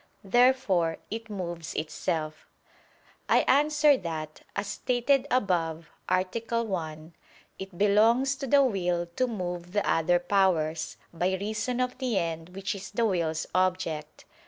Therefore it moves itself. I answer that, As stated above (A. 1), it belongs to the will to move the other powers, by reason of the end which is the will's object.